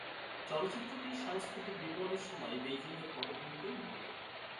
চলচ্চিত্রটি সাংস্কৃতিক বিপ্লবের সময় বেইজিং-এর পটভূমিতে নির্মিত।